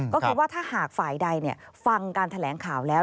ก็คือว่าถ้าหากฝ่ายใดฟังการแถลงข่าวแล้ว